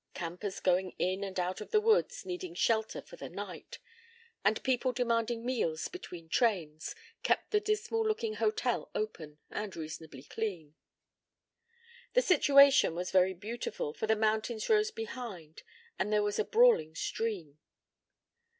Campers going in and out of the woods needing shelter for a night, and people demanding meals between trains, kept the dismal looking hotel open and reasonably clean. The situation was very beautiful, for the mountains rose behind and there was a brawling stream.